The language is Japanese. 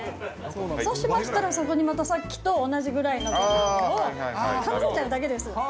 そうしましたら、そこにまたさっきと同じぐらいのごはんをかぶせちゃうだけです。